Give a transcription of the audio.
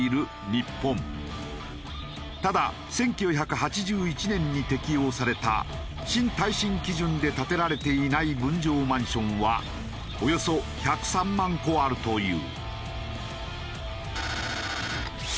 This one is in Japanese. ただ１９８１年に適用された新耐震基準で建てられていない分譲マンションはおよそ１０３万戸あるという。